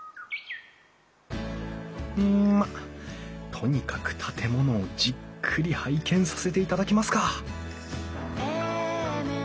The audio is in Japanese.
うんまあとにかく建物をじっくり拝見させていただきますか！